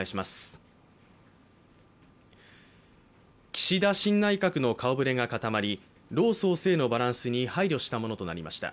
岸田新内閣の顔ぶれが固まり老・壮・青のバランスに配慮したものとなりました。